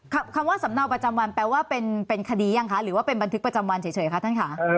คำว่าสำเนาประจำวันแปลว่าเป็นคดียังคะหรือว่าเป็นบันทึกประจำวันเฉยคะท่านค่ะ